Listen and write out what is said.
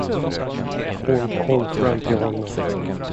Hon kom fram till honom.